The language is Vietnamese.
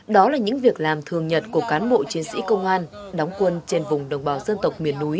đó là những việc làm thường nhật của cán bộ chiến sĩ công an đóng quân trên vùng đồng bào dân tộc